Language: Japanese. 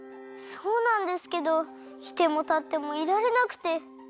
そうなんですけどいてもたってもいられなくて。